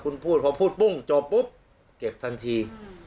คุณพูดพอพูดปุ้งจบปุ๊บเก็บทันที